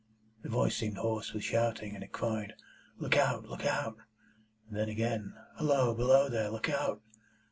The voice seemed hoarse with shouting, and it cried, 'Look out! Look out!' And then again, 'Halloa! Below there! Look out!